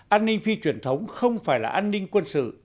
an ninh phi truyền thống không phải là an ninh quân sự